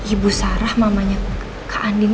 ibu sarah mamanya kak andin